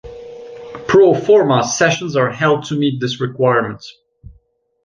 "Pro forma" sessions are held to meet this requirement.